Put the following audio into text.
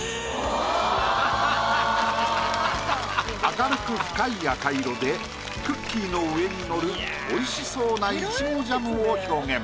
明るく深い赤色でクッキーの上にのるおいしそうないちごジャムを表現。